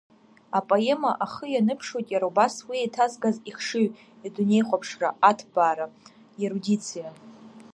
Апоема ахы ианыԥшуеит иара убас уи иеҭазгаз ихшыҩ, идунеихәаԥшра аҭбаара, иерудциа.